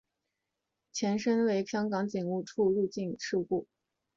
其前身为香港警务处入境事务部。